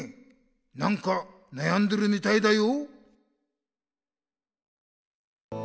なんかなやんでるみたいだよ。